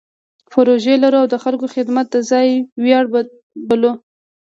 پروژې لرو او د خلکو خدمت د ځان ویاړ بولو.